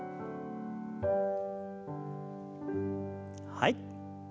はい。